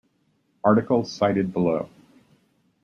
Article cited below.